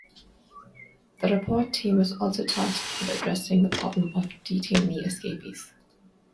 The Report team was also tasked with addressing the problem of detainee escapes.